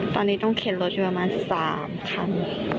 ตอนนี้ต้องเข็นรถอยู่ประมาณ๓คัน